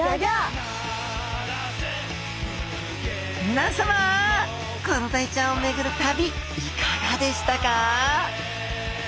皆さまコロダイちゃんを巡る旅いかがでしたか？